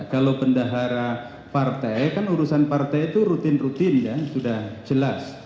kalau bendahara partai kan urusan partai itu rutin rutin kan sudah jelas